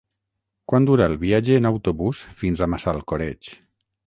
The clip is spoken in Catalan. Quant dura el viatge en autobús fins a Massalcoreig?